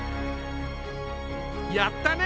やったね！